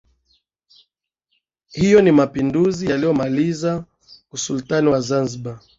Hyo ni mapinduzi yaliyomaliza Usultani wa Zanzibar